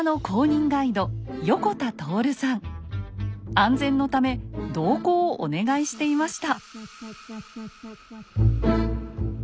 安全のため同行をお願いしていました。